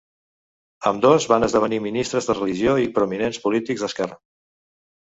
Ambdós van esdevenir ministres de religió i prominents polítics d'esquerra.